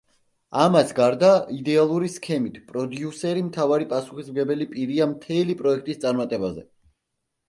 ამას გარდა, იდეალური სქემით, პროდიუსერი მთავარი პასუხისმგებელი პირია მთელი პროექტის წარმატებაზე.